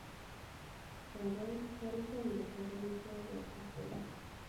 Kaikai toreton kechop amitwogik ap koskoling'